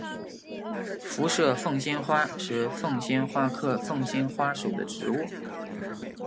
辐射凤仙花是凤仙花科凤仙花属的植物。